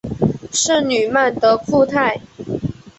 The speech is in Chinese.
圣吕曼德库泰。